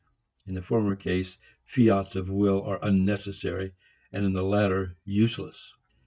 In the former case, fiats of will are unnecessary, and in the latter useless.